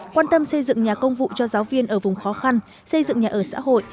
quan tâm xây dựng nhà công vụ cho giáo viên ở vùng khó khăn xây dựng nhà ở xã hội